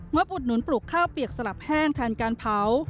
อุดหนุนปลูกข้าวเปียกสลับแห้งแทนการเผา